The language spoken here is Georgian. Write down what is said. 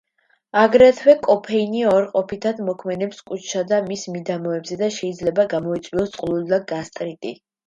აგრეთვე კოფეინი უარყოფითად მოქმედებს კუჭსა და მის მიდამოებზე და შეიძლება გამოიწვიოს წყლული და გასტრიტი.